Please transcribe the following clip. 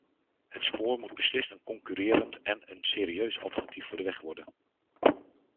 Het spoor moet beslist een concurrerend en een serieus alternatief voor de weg worden.